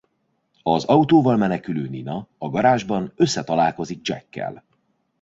Az autóval menekülő Nina a garázsban összetalálkozik Jackkel.